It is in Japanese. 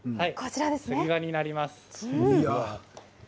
つり輪になります。